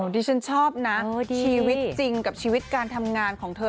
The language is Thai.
ดิฉันชอบนะชีวิตจริงกับชีวิตการทำงานของเธอ